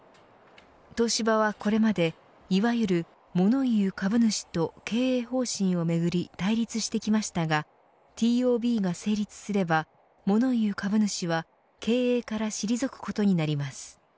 東芝はこれまで、いわゆるモノ言う株主と経営方針をめぐり対立してきましたがＴＯＢが成立すればモノ言う株主は経営から退くことになります。